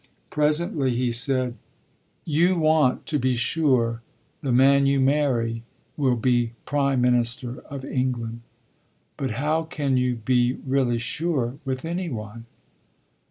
Presently he said: "You want to be sure the man you marry will be prime minister of England. But how can you be really sure with any one?"